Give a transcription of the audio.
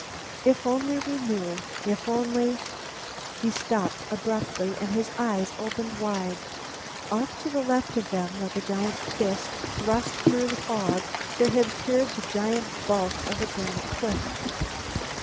If only we knew. If only " He stopped abruptly and his eyes opened wide. Off to the left of them, like a giant fist thrust through the fog, there had appeared the dark bulk of a granite cliff.